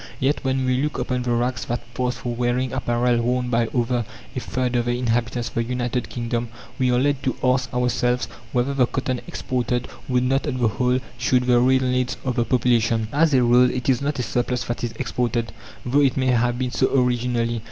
Yet when we look upon the rags that pass for wearing apparel worn by over a third of the inhabitants of the United Kingdom, we are led to ask ourselves whether the cottons exported would not, on the whole, suit the real needs of the population? As a rule it is not a surplus that is exported, though it may have been so originally.